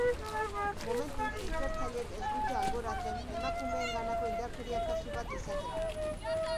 Momentuz ikertzaileek ez dute alboratzen emakumeenganako indarkeria kasu bat izatea.